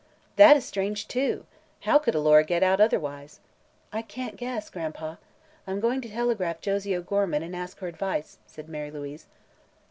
"That is strange, too! How could Alora get out, otherwise?" "I can't guess. Gran'pa, I'm going to telegraph Josie O'Gorman, and ask her advice," said Mary Louise.